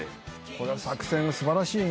これは作戦素晴らしいね。